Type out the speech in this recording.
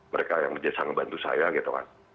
mereka yang bekerja sangat bantu saya gitu kan